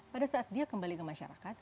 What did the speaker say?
pada saat dia kembali ke masyarakat